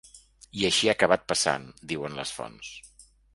I així ha acabat passant, diuen les fonts.